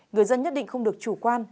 người dân nhất định không được chủ quan